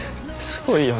すごいよ。